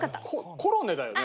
コロネだよね？